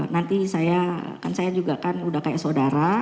nanti saya kan saya juga kan udah kayak saudara